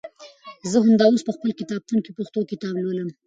زه همدا اوس په خپل کتابتون کې د پښتو کتاب لولم.